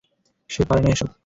সে পারেনা এসব।